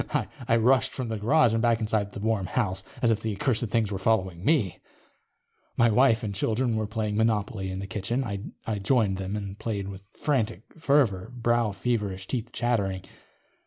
_ I rushed from the garage and back inside the warm house, as if the accursed things were following me. My wife and children were playing Monopoly in the kitchen. I joined them and played with frantic fervor, brow feverish, teeth chattering.